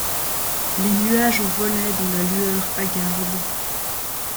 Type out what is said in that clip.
Les nuages volaient dans la lueur hagarde